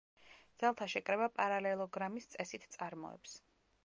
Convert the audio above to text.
ძალთა შეკრება პარალელოგრამის წესით წარმოებს.